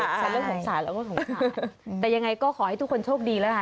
ฉันเรื่องของสารแล้วก็สงสารแต่ยังไงก็ขอให้ทุกคนโชคดีแล้วค่ะ